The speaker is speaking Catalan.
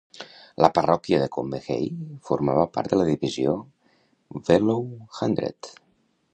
La parròquia de Combe Hay formava part de la divisió Wellow Hundred.